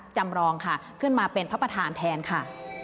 จำรองค่ะขึ้นมาเป็นพระประธานแทนค่ะ